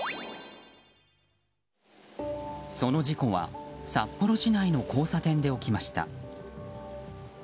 その事故は札幌市内の交差点で起きました。